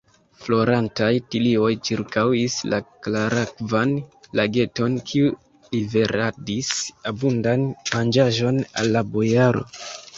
Florantaj tilioj ĉirkaŭis la klarakvan lageton, kiu liveradis abundan manĝaĵon al la bojaro.